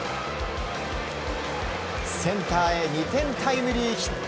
センターへ２点タイムリーヒット。